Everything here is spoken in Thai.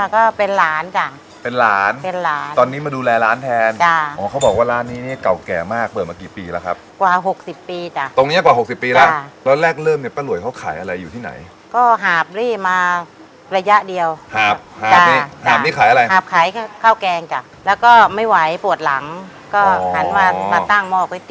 ก็เป็นหลานจ้ะเป็นหลานเป็นหลานตอนนี้มาดูแลร้านแทนจ้ะอ๋อเขาบอกว่าร้านนี้นี่เก่าแก่มากเปิดมากี่ปีแล้วครับกว่าหกสิบปีจ้ะตรงเนี้ยกว่าหกสิบปีแล้วตอนแรกเริ่มเนี่ยป้าหลวยเขาขายอะไรอยู่ที่ไหนก็หาบลี่มาระยะเดียวครับหาบนี้หาบนี้ขายอะไรหาบขายข้าวแกงจ้ะแล้วก็ไม่ไหวปวดหลังก็หันมามาตั้งหม้อก๋